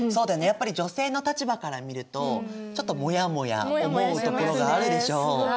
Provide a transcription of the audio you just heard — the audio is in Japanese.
やっぱり女性の立場から見るとちょっとモヤモヤ思うところがあるでしょ。